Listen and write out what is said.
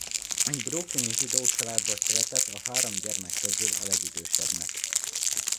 Egy brooklyni zsidó családba született a három gyermek közül a legidősebbnek.